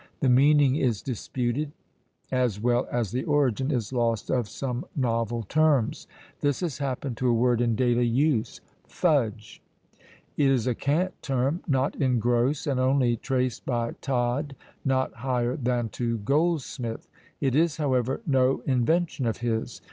The meaning is disputed as well as the origin is lost of some novel terms. This has happened to a word in daily use Fudge! It is a cant term not in Grose, and only traced by Todd not higher than to Goldsmith. It is, however, no invention of his.